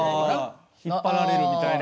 引っ張られるみたいな。